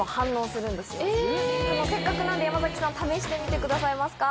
せっかくなんで山崎さん試してみてくださいますか。